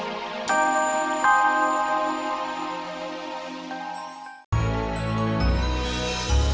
aku sudah selalu mencintai ibu